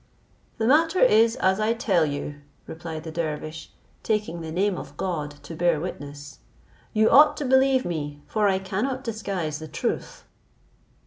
"The matter is as I tell you," replied the dervish, taking the name of God to bear witness; "you ought to believe me, for I cannot disguise the truth."